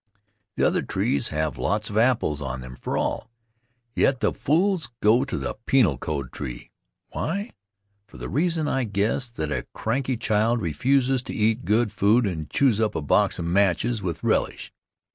The other trees have lots of apples on them for all. Yet the fools go to the Penal Code Tree. Why? For the reason, I guess, that a cranky child refuses to eat good food and chews up a box of matches with relish.